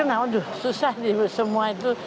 terkenal aduh susah ibu semua itu